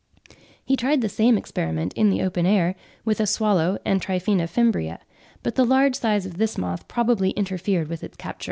He tried the same experiment, in the open air, with a swallow and T. fimbria; but the large size of this moth probably interfered with its capture.